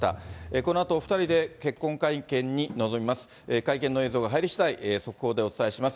このあとお２人で結婚会見に臨みます。